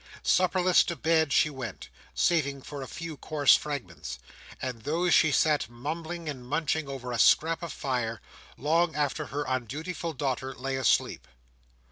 Supperless to bed she went, saving for a few coarse fragments; and those she sat mumbling and munching over a scrap of fire, long after her undutiful daughter lay asleep.